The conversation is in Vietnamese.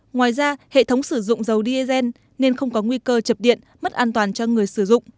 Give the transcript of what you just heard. ngoài ra hệ thống sử dụng dầu diesel nên không có nguy cơ chập điện mất an toàn cho người sử dụng